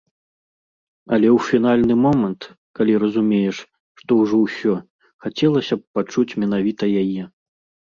Але ў фінальны момант, калі разумееш, што ўжо ўсё, хацелася б пачуць менавіта яе.